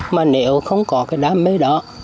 mà nếu không có cái đam mê đó